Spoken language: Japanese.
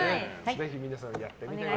ぜひ皆さん、やってみてください。